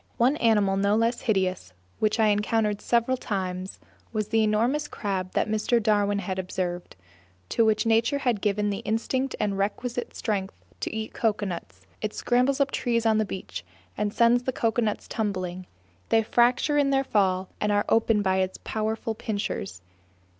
One animal no less hideous, which I encountered several times, was the enormous crab that Mr. Darwin observed, to which nature has given the instinct and requisite strength to eat coconuts; it scrambles up trees on the beach and sends the coconuts tumbling; they fracture in their fall and are opened by its powerful pincers.